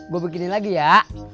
gua begini lagi ya